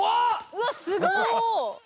うわっすごい！